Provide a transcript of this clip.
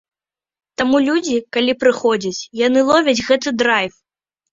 Таму людзі, калі прыходзяць, яны ловяць гэты драйв!